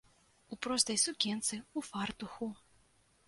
У простай сукенцы, у фартуху.